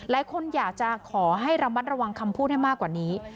หลายคนอยากจะขอให้ระมัดระวังคำพูดให้มากกว่านี้